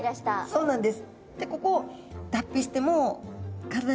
そうなんです。